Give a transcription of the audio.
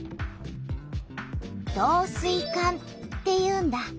「導水管」っていうんだ。